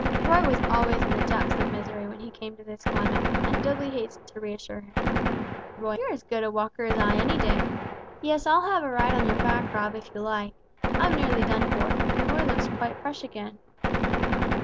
Roy was always in the depths of misery when he came to this climax, and Dudley hastened to reassure him. "Rot! You're as good a walker as I any day. Yes, I'll have a ride on your back, Rob, if you like. I'm nearly done for, and Roy looks quite fresh again."